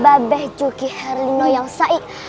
babeh juki herlino yang saik